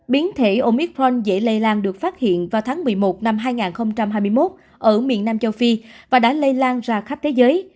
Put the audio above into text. biến thể omitforn dễ lây lan được phát hiện vào tháng một mươi một năm hai nghìn hai mươi một ở miền nam châu phi và đã lây lan ra khắp thế giới